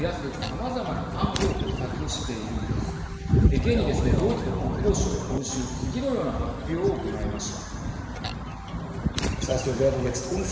現にですねドイツの国防相、今週次のような発表を行いました。